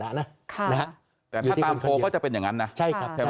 แต่ถ้าตามโทรก็จะเป็นอย่างนั้นนะใช่ครับใช่ไหม